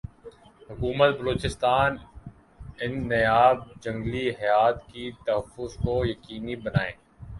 حکومت بلوچستان ان نایاب جنگلی حیات کی تحفظ کو یقینی بنائے